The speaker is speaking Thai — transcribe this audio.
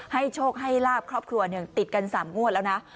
โชคให้ลาบครอบครัวติดกัน๓งวดแล้วนะ